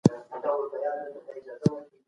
کله به حکومت پراختیایي پروژه په رسمي ډول وڅیړي؟